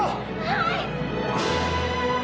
はい！